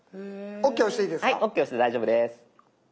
「ＯＫ」押して大丈夫です。